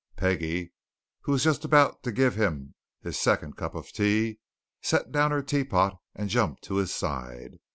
Peggie, who was just about to give him his second cup of tea, set down her teapot and jumped to his side.